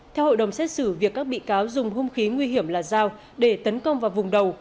theo hội đồng xét xử việc các bị cáo dùng hung khí nguy hiểm là dao để tấn công vào vùng đầu